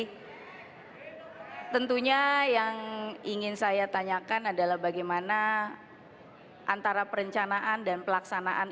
hai tentunya yang ingin saya tanyakan adalah bagaimana antara perencanaan dan pelaksanaan